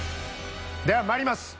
では参ります。